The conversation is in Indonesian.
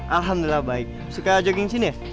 alhamdulillah baik suka jogging sini